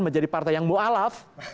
menjadi partai yang mualaf